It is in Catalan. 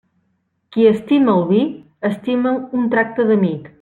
Qui estima el vi estima un tracte d'amic.